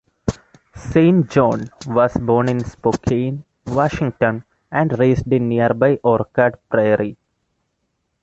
Saint John was born in Spokane, Washington, and raised in nearby Orchard Prairie.